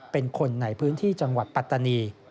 เป็นคนในพื้นที่จังหวัดปัตตานี